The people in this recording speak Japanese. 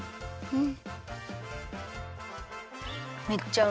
うん！